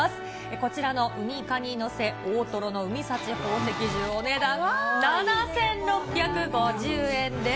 こちらのうに蟹のせ大トロの海幸宝石重、お値段７６５０円です。